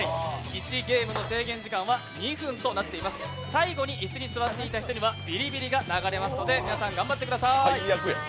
最後に椅子に座っていた人にはビリビリが流れますので皆さん頑張ってください。